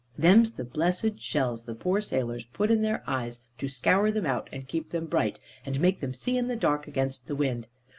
Them's the blessed shells the poor sailors put in their eyes to scour them out, and keep them bright, and make them see in the dark against the wind.